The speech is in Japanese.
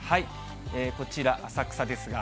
こちら、浅草ですが。